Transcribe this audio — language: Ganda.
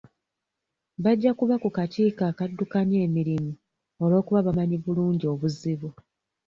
Bajja kuba ku kakiiko adduukanya emirimu olw'okuba bamanyi bulungi obuzibu.